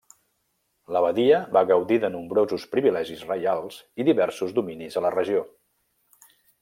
L'abadia va gaudir de nombrosos privilegis reials i diversos dominis a la regió.